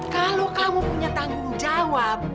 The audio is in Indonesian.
kalau kamu punya tanggung jawab